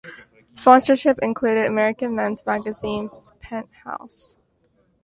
Sponsorship included American men's magazine "Penthouse".